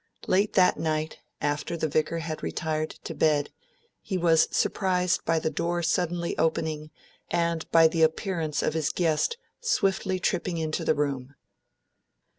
Late that night, after the Vicar had retired to bed, he was surprised by the door suddenly opening, and by the appearance of his guest swiftly tripping into the room.